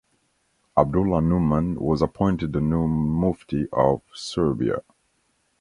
Abdullah Numan was appointed the new Mufti of Serbia.